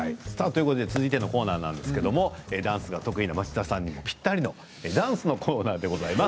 続いてのコーナーですがダンスが得意な町田さんにもぴったりのダンスのコーナーです。